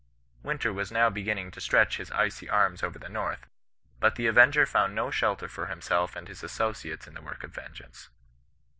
Winter was now beginning to stretch his icy arms over the north ; but the avenger found no shelter for himself and his associates in the work of vengeance.